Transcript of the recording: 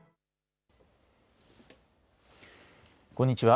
こんにちは。